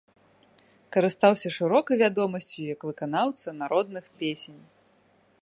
Карыстаўся шырокай вядомасцю як выканаўца народных песень.